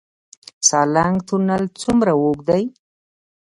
سالنګ تونل څومره اوږد دی؟